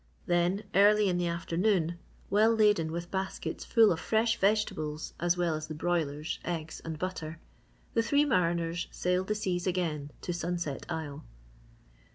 Then, early in the afternoon, well laden with baskets full of fresh vegetables as well as the broilers, eggs, and butter, the three mariners sailed the seas again to Sunset Isle.